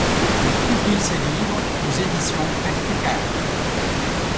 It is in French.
Il publie ses livres aux éditions Verticales.